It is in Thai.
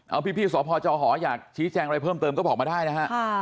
เอาพี่สพจหอยากชี้แจงอะไรเพิ่มเติมก็บอกมาได้นะฮะ